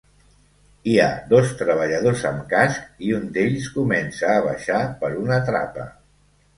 Hi ha dos treballadors amb casc i un d'ells comença a baixar per una trapa.